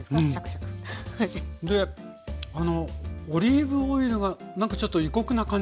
オリーブオイルがなんかちょっと異国な感じも。